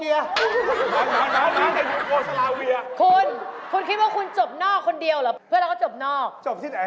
มีพี่ตีพี่หนุ๊ยพี่พระอำ